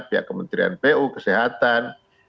pihak kementerian pu kesehatan